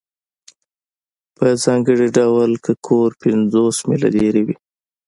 په ځانګړي ډول که کور پنځوس میله لرې وي